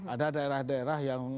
ada daerah daerah yang